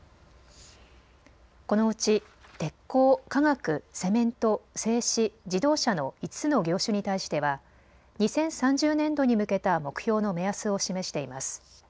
このうち鉄鋼、化学、セメント、製紙、自動車の５つの業種に対しては２０３０年度に向けた目標の目安を示しています。